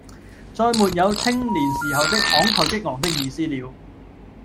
再沒有青年時候的慷慨激昂的意思了。